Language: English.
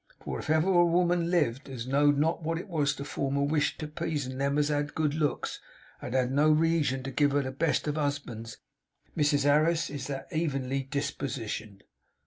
For if ever a woman lived as know'd not wot it was to form a wish to pizon them as had good looks, and had no reagion give her by the best of husbands, Mrs Harris is that ev'nly dispogician!